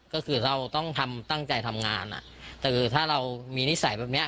ก็คือเราต้องทำตั้งใจทำงานอ่ะแต่คือถ้าเรามีนิสัยแบบเนี้ย